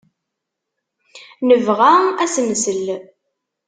Nebɣa ad as-nsel.